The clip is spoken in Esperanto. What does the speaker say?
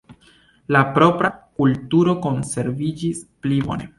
La propra kulturo konserviĝis pli bone.